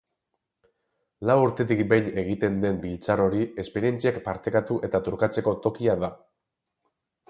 Lau urtetik behin egiten den biltzar hori esperientziak partekatu eta trukatzeko tokia da.